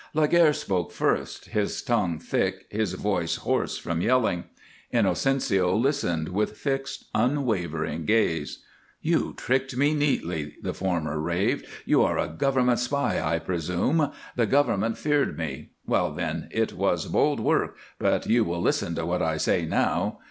Laguerre spoke first, his tongue thick, his voice hoarse from yelling. Inocencio listened with fixed, unwavering gaze. "You tricked me neatly," the former raved. "You are a government spy, I presume. The government feared me. Well, then, it was bold work, but you will listen to what I say now.